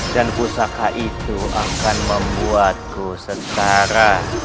dan pusaka itu akan membuatku setara